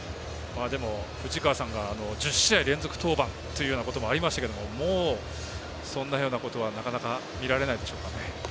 藤川さんが１０試合連続登板というようなこともありましたけれどももう、そんなようなことはなかなか見られないでしょうかね。